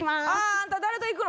あんた誰と行くの？